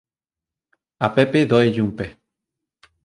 A Pepe dóelle un pé.